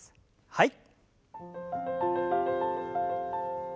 はい。